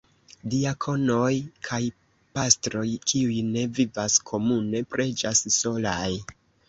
Diakonoj kaj pastroj, kiuj ne vivas komune, preĝas solaj.